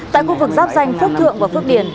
tại khu vực giáp danh phước thượng và phước điển